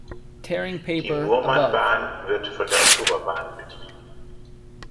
Die "Murmanbahn" wird von der Oktoberbahn betrieben.